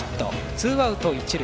ツーアウト、一塁。